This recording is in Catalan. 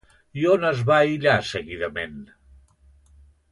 I on es va aïllar seguidament?